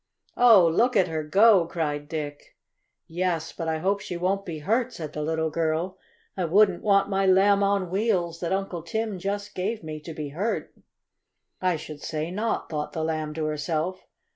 "Oh, look at her go!" cried Dick. "Yes, but I hope she won't be hurt," said the little girl. "I wouldn't want my Lamb on Wheels that Uncle Tim just gave me to be hurt." "I should say not!" thought the Lamb to herself.